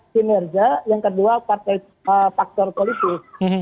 kinerja yang kedua faktor politik